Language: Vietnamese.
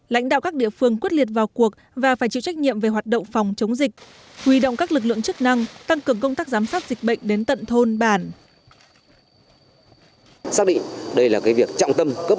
lãnh đạo các địa phương quyết liệt vào cuộc và phải chịu trách nhiệm về hoạt động phòng chống dịch huy động các lực lượng chức năng tăng cường công tác giám sát dịch bệnh đến tận thôn bản